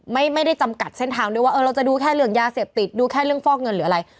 ไม่ได้จำกัดเส้นทางด้วยว่าเออเราจะดูแค่เรื่องยาเสพติดดูแค่เรื่องฟอกเงินหรืออะไร